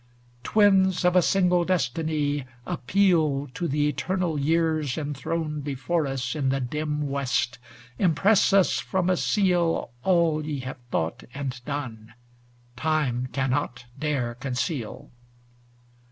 Twins of a single destiny ! appeal To the eternal years enthroned before us In the dim West; impress us from a seal, All ye have thought and done ! Time cannot dare conceal.